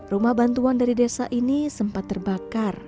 rumah bantuan dari desa ini sempat terbakar